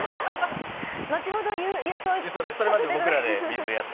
後ほど郵送させて。